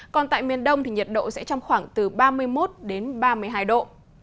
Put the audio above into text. còn tại miền đông nhiệt độ sẽ trong khoảng từ ba mươi một ba mươi hai độ